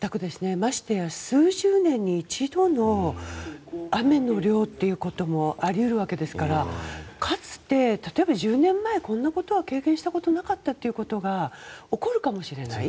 ましてや数十年に一度の雨の量ということもあり得るわけですからかつて、例えば１０年前こんなことは経験したことなかったということが起こるかもしれない。